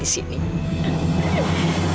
bisa dikirimkan ke tempat yang sama